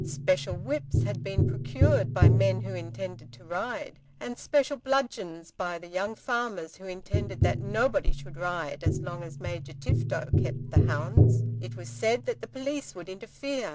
Special whips had been procured by men who intended to ride, and special bludgeons by the young farmers who intended that nobody should ride as long as Major Tifto kept the hounds. It was said that the police would interfere.